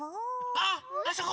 あっあそこ！